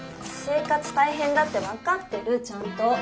生活大変だって分かってるちゃんと。